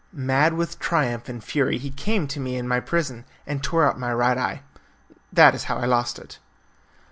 Mad with triumph and fury he came to me in my prison and tore out my right eye. That is how I lost it.